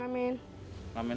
main kadang kadang ngamen